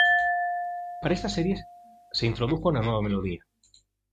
Para esta serie se introdujo una nueva melodía.